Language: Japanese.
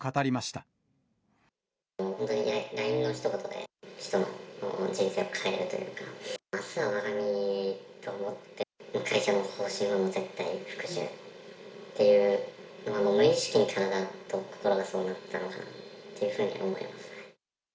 本当にＬＩＮＥのひと言で、人の人生を変えるというか、あすはわが身と思って、会社の方針はもう絶対服従っていう、無意識に体と心がそうなってたのかなっていうふうに思いますね。